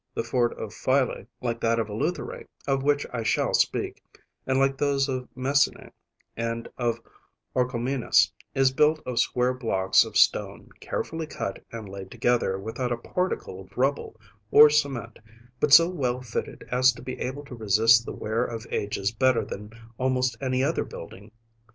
The fort of Phyle, like that of Eleutheræ, of which I shall speak, and like those of Messene and of Orchomenus, is built of square blocks of stone, carefully cut, and laid together without a particle of rubble or cement, but so well fitted as to be able to resist the wear of ages better than almost any other building.